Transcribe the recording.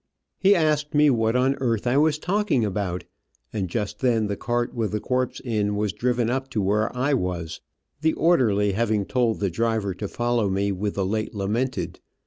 He asked me what on earth I was talking about, and just then the cart with the corpse in was driven up to where I was, the orderly having told the driver to follow me with the late lamented.